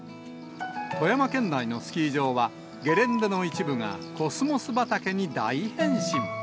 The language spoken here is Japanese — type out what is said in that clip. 富山県内のスキー場は、ゲレンデの一部がコスモス畑に大変身。